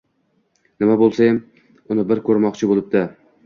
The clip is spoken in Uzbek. nima boʻlsayam uni bir koʻrmoqchi boʻlibdi